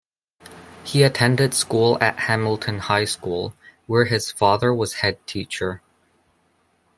He attended school at Hamilton High School, where his father was head teacher.